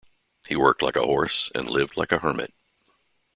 He worked like a horse and lived like a hermit.